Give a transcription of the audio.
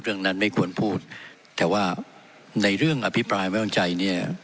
เรื่องนั้นไม่ควรพูดแต่ว่าในเรื่องอภิปรายไม่วางใจเนี่ย